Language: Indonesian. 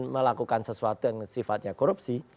melakukan sesuatu yang sifatnya korupsi